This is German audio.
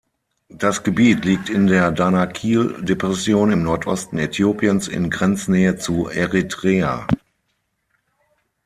Das Gebiet liegt in der Danakil-Depression im Nordosten Äthiopiens in Grenznähe zu Eritrea.